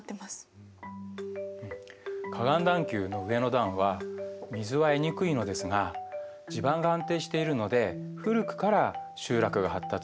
河岸段丘の上の段は水は得にくいのですが地盤が安定しているので古くから集落が発達したんですね。